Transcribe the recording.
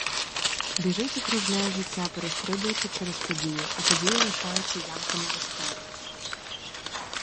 Біжить і кружляє життя, перестрибуючи через події, а події лишаються ямками в історії.